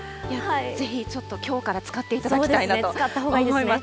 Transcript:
ぜひちょっときょうから使っていただきたいなと思います。